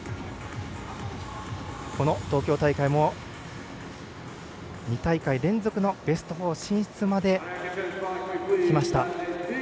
東京大会も、２大会連続のベスト４進出まできました。